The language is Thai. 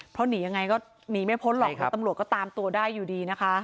เพราะหนียังไงก็หนีไม่พ้นหรอกครับตำรวจก็ตามตัวได้อยู่ดีนะคะ